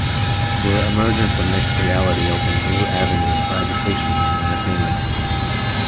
The emergence of mixed reality opened new avenues for education and entertainment.